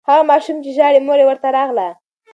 هغه ماشوم چې ژاړي، مور یې ورته راغله.